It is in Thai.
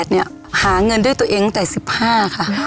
อ๋อ๑๘เนี่ยหาเงินด้วยตัวเองตั้งแต่๑๕ค่ะ